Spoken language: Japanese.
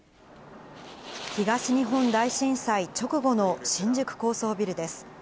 東日本大震災直後の新宿高層ビルです。